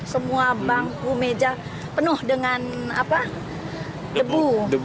semua bangku meja penuh dengan debu